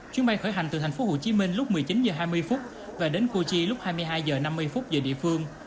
chuyến bay khởi hành từ thành phố hồ chí minh lúc một mươi chín h hai mươi và đến cu chi lúc hai mươi hai h năm mươi giờ địa phương